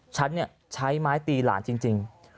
ฉันใช้ไม้ตีหลานจริง